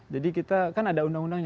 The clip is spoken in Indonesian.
jadi kita kan ada undang undangnya